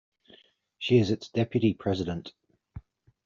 She is its deputy president.